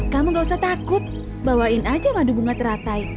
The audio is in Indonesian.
kamu gak usah takut bawain aja madu bunga teratai